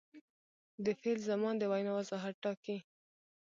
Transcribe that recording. د فعل زمان د وینا وضاحت ټاکي.